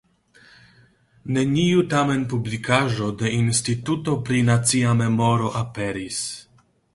Neniu tamen publikaĵo de Instituto pri Nacia Memoro aperis.